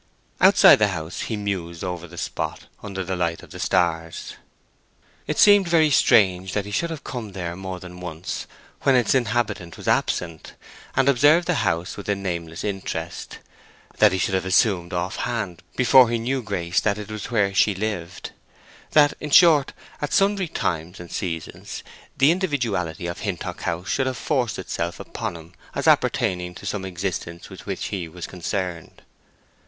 Outside the house he mused over the spot under the light of the stars. It seemed very strange that he should have come there more than once when its inhabitant was absent, and observed the house with a nameless interest; that he should have assumed off hand before he knew Grace that it was here she lived; that, in short, at sundry times and seasons the individuality of Hintock House should have forced itself upon him as appertaining to some existence with which he was concerned.